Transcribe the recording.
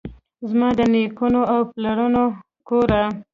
زما دنیکونو اوپلرونو کوره!